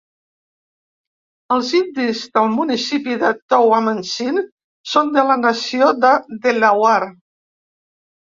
Els indis del municipi de Towamencin són de la nació de Delaware.